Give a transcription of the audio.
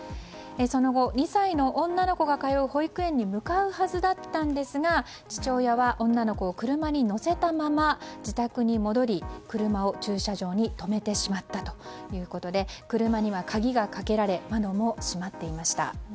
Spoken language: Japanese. その後２歳の女の子が通う保育園に向かうはずだったんですが父親は女の子を車に乗せたまま自宅に戻り、車を駐車場に止めてしまったということで車には鍵がかけられ窓も閉まっていました。